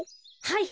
はい！